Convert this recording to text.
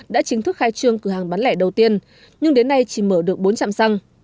đã chính thức khai trương cửa hàng bán lẻ đầu tiên nhưng đến nay chỉ mở được bốn trạm xăng